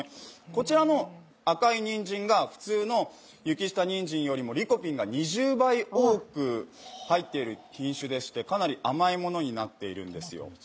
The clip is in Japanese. こちらの赤いにんじんが普通の雪下にんじんよりもリコピンが２０倍多く入っている品種でしてかなり甘いものになっているんですよ。